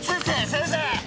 先生！